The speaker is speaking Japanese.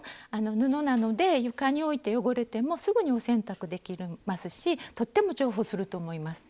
布なので床に置いて汚れてもすぐにお洗濯できますしとっても重宝すると思います。